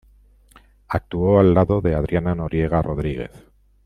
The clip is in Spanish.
Actuó al lado de Adriana Noriega Rodríguez.